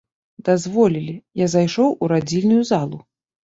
Дазволілі, я зайшоў у радзільную залу.